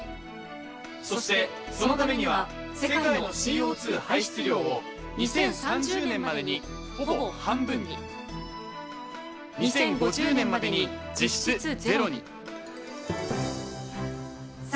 そしてそのためには世界のＣＯ排出量を２０３０年までにほぼ半分に２０５０年までに実質０に。